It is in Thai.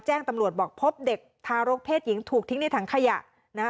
แจ้งตำรวจบอกพบเด็กทารกเพศหญิงถูกทิ้งในถังขยะนะคะ